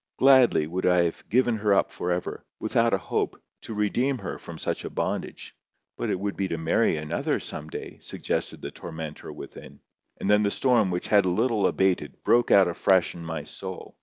Gladly would I have given her up for ever, without a hope, to redeem her from such a bondage. "But it would be to marry another some day," suggested the tormentor within. And then the storm, which had a little abated, broke out afresh in my soul.